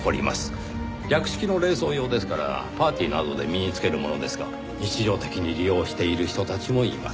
略式の礼装用ですからパーティーなどで身に着けるものですが日常的に利用している人たちもいます。